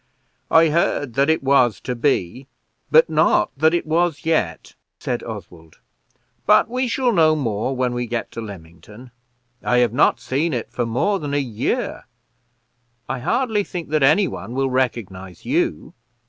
"I heard that it was to be, but not that it was yet," said Oswald; "but we shall know more when we get to Lymington. I have not seen it for more than a year. I hardly think that any one will recognize you."